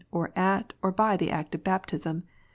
orlit, or by the act of baptism.